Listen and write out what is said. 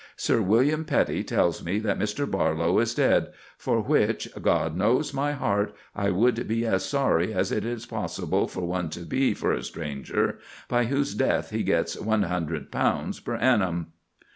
Sir William Petty tells me that Mr. Barlow is dead; for which, God knows my heart, I would be as sorry as it is possible for one to be for a stranger, by whose death he gets £100 per annum."